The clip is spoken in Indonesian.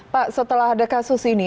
pak setelah ada kasus ini